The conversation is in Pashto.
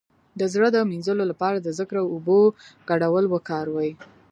د زړه د مینځلو لپاره د ذکر او اوبو ګډول وکاروئ